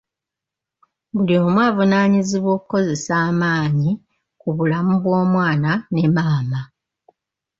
Buli omu avunaanyizibwa okukozesa amaanyi ku bulamu bw'omwana ne maama.